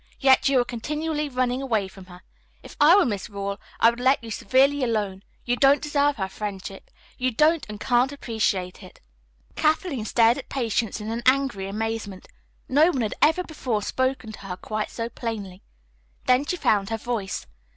Yet you are continually running away from her. If I were Miss Rawle I would let you severely alone; you don't deserve her friendship. You don't and can't appreciate it." Kathleen stared at Patience in angry amazement. No one had ever before spoken to her quite so plainly. Then she found her voice.